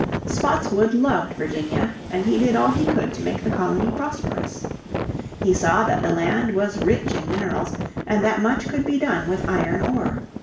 Spotswood loved Virginia, and he did all he could to make the colony prosperous. He saw that the land was rich in minerals, and that much could be done with iron ore.